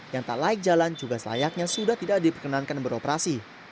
yang tak layak jalan juga selayaknya sudah tidak diperkenankan beroperasi